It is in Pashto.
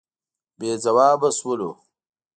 بې ځوابه شولو.